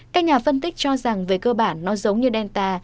các nhà phân tích cho rằng về cơ bản nó giống như delta